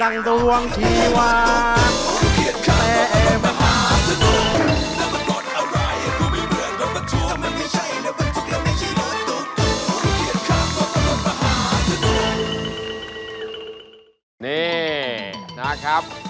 นี่นะครับ